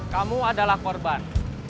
kamu adalah korban